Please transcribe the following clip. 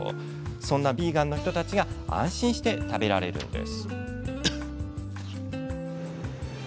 そんなヴィーガンの人たちが安心して食べられるんです。